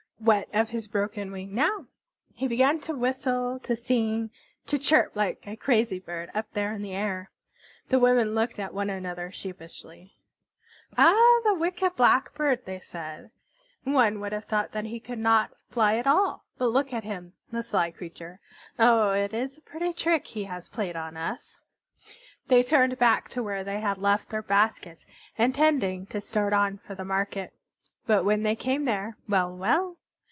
What of his broken wing now? He began to whistle, to sing, to chirrup like a crazy bird up there in the air. The women looked at one another sheepishly. "Ah, the wicked Blackbird!" they said. "One would have thought that he could not fly at all. But look at him, the sly creature! Oho, it is a pretty trick he has played us!" They turned back to where they had left their baskets, intending to start on for the market. But when they came there well, well!